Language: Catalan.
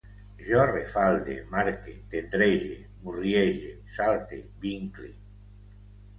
Jo refalde, marque, tendrege, murriege, salte, vincle